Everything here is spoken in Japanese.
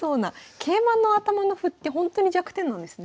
桂馬の頭の歩ってほんとに弱点なんですね。